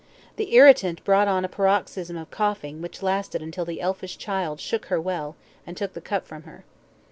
The irritant brought on a paroxysm of coughing which lasted until the elfish child shook her well, and took the cup from her.